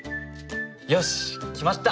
よし決まった。